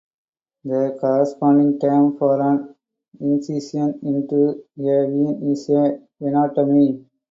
The corresponding term for an incision into a vein is a venotomy.